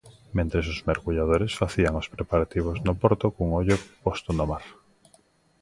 Mentres os mergulladores facían os preparativos no porto cun ollo posto no mar.